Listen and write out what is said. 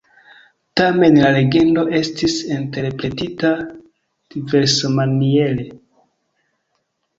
Tamen la legendo estis interpretita diversmaniere.